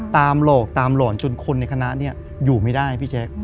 ตามหลอกตามหลอนจนคนในคณะนี้อยู่ไม่ได้พี่แจ๊ค